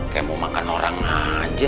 kayak mau makan orang aja